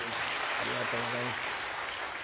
ありがとうございます。